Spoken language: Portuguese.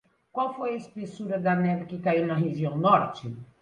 Qual foi a espessura da neve que caiu na região norte?